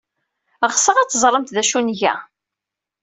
Ɣseɣ ad teẓremt d acu ay nga.